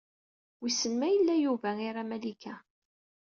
Wissen ma yella Yuba ira Malika.